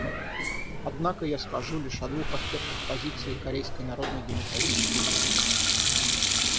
Однако я скажу лишь о двух аспектах позиции Корейской Народно-Демократической Республики.